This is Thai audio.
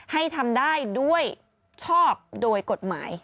ให้ทำได้ด้วยชอบโดยกฎหมาย